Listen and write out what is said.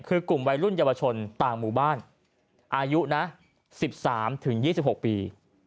คือกลุ่มวัยรุ่นเยาวชนต่างหมู่บ้านอายุนะ๑๓๒๖ปี